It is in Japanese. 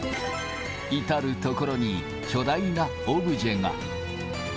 至る所に巨大なオブジェが。